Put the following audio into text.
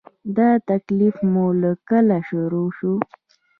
دا تکلیف مو له کله شروع شو؟